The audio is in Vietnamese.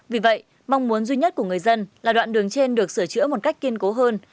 vì vậy mong muốn duy nhất của người dân là đoạn đường trên được sửa chữa một cách kiên cố hơn